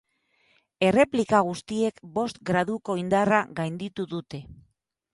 Erreplika guztiek bost graduko indarra gainditu dute.